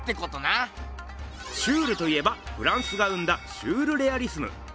シュールといえばフランスが生んだシュールレアリスム。